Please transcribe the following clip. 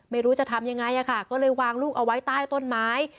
ไม่รู้จะทำยังไงก็เลยวางลูกเอาไว้ใต้ต้นไม้